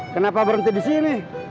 kenapa berenti disini